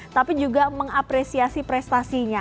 tapi juga mengapresiasi prestasinya